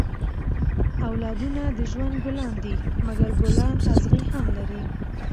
اولادونه د ژوند ګلان دي؛ مکر ګلان اغزي هم لري.